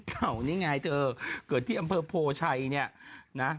เต่านี่ไงเธอเกิดที่อำเภอโผลชัยนะ